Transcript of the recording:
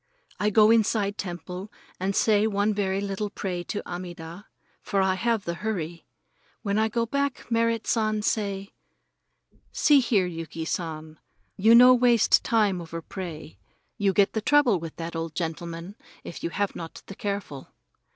I go inside temple and say one very little pray to Amida, for I have the hurry. When I go back, Merrit San he say: "See here, Yuki San, you no waste time over pray. You get the trouble with that old gentleman if you have not the careful."